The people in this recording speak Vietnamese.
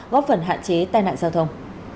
góp phần hạn chế tai nạn giao thông